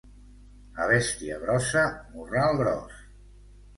A bèstia grossa, morral gros.